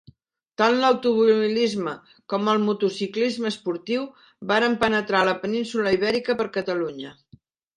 Tant l'automobilisme com el motociclisme esportiu varen penetrar a la península Ibèrica per Catalunya.